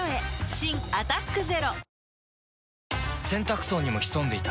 新「アタックＺＥＲＯ」洗濯槽にも潜んでいた。